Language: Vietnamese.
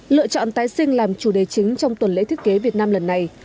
lựa chọn tái sinh làm chủ đề chính trong tuần lễ thiết kế việt nam lần này